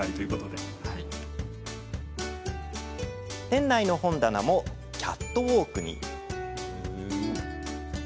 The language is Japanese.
店内の本棚もキャットウォークに。